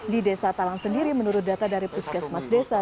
di desa talang sendiri menurut data dari puskesmas desa